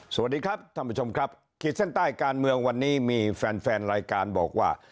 สวัสดีครับท่านผู้ชมครับขีดเส้นใต้การเมืองวันนี้มีแฟนแฟนรายการบอกว่า